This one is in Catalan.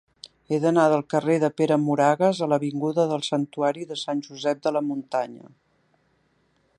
He d'anar del carrer de Pere Moragues a l'avinguda del Santuari de Sant Josep de la Muntanya.